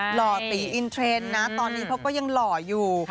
หล่อตีอินเทรนด์นะตอนนี้เขาก็ยังหล่ออยู่